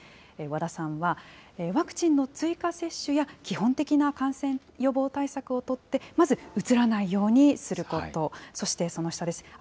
和田さんは、ワクチンの追加接種や基本的な感染予防対策を取って、まずうつらないようにすること、そしてその下です。